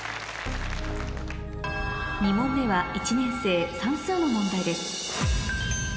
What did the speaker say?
２問目は１年生算数の問題です